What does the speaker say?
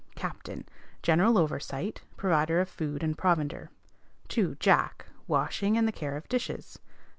Captain. General oversight; provider of food and provender. 2. Jack. Washing and the care of dishes.